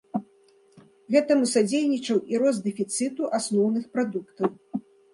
Гэтаму садзейнічаў і рост дэфіцыту асноўных прадуктаў.